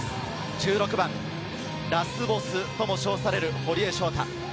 １６番、ラスボスとも称される堀江翔太。